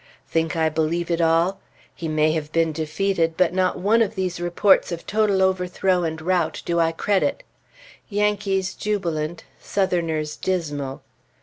Think I believe it all? He may have been defeated; but not one of these reports of total overthrow and rout do I credit. Yankees jubilant, Southerners dismal.